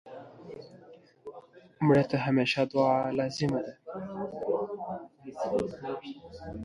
مړه ته د همېشه دعا لازم ده